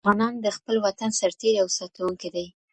افغانان د خپل وطن سرتيري او ساتونکي دي.